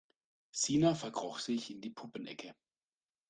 Sina verkroch sich in die Puppenecke.